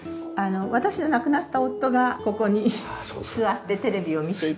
私の亡くなった夫がここに座ってテレビを見ていたという。